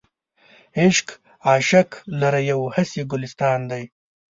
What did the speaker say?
عشق عاشق لره یو هسې ګلستان دی.